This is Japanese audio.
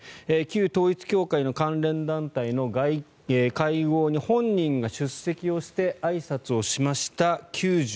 旧統一教会の関連団体の会合に本人が出席してあいさつをしました９６人。